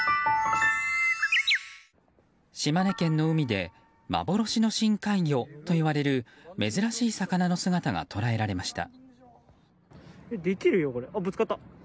島根県の海で幻の深海魚といわれる珍しい魚の姿が捉えられました。